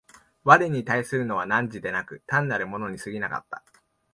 我に対するのは汝でなく、単なる物に過ぎなかった。